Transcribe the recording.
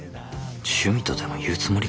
趣味とでも言うつもりか？